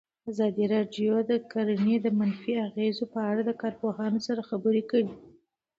ازادي راډیو د کرهنه د منفي اغېزو په اړه له کارپوهانو سره خبرې کړي.